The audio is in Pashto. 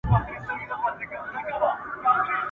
یوه ښځه یو مېړه له دوو ښارونو ..